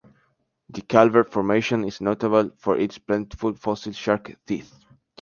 The Calvert Formation is notable for its plentiful fossil shark teeth.